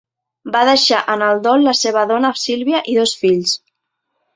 Va deixar en el dol la seva dona Silvia i dos fills.